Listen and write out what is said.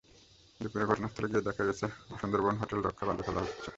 দুপুরে ঘটনাস্থলে গিয়ে দেখা গেছে, সুন্দরবন হোটেল রক্ষায় বালু ফেলা হচ্ছে।